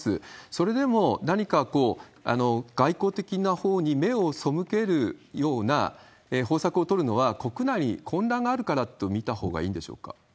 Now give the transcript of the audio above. それでも何かこう、外交的なほうに目を背けるような方策をとるのは、国内に混乱があるからと見たほうがいいんでしょうか？